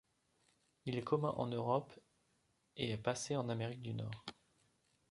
Il est commun en Europe et est passé en Amérique du Nord.